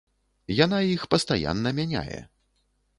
Яна іх пастаянна мяняе.